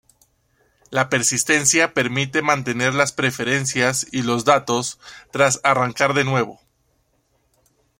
La persistencia permite mantener las preferencias y los datos tras arrancar de nuevo.